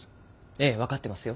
ええ分かってますよ。